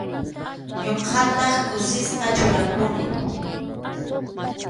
Ñuqataq kusisqa churakuni.